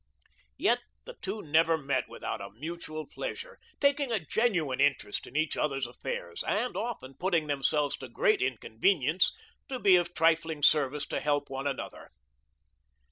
Yet the two never met without a mutual pleasure, taking a genuine interest in each other's affairs, and often putting themselves to great inconvenience to be of trifling service to help one another.